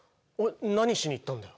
何しに行ったんだよ？